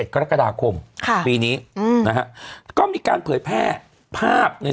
กรกฎาคมค่ะปีนี้อืมนะฮะก็มีการเผยแพร่ภาพใน